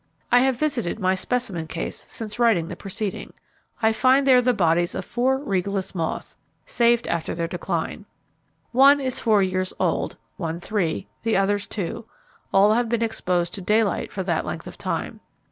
I have visited my specimen case since writing the preceding. I find there the bodies of four Regalis moths, saved after their decline. One is four years old, one three, the others two, all have been exposed to daylight for that length of time.